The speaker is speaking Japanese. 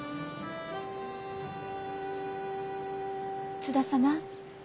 津田様。